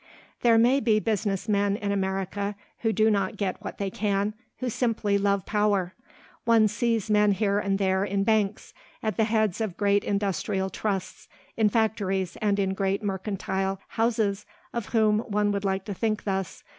There may be business men in America who do not get what they can, who simply love power. One sees men here and there in banks, at the heads of great industrial trusts, in factories and in great mercantile houses of whom one would like to think thus.